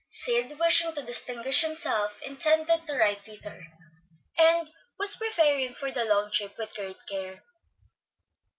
Sid, wishing to distinguish himself, intended to ride thither, and was preparing for the long trip with great care.